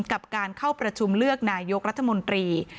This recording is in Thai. กับการเข้าประชุมเลือกนายกรัฐมนตรี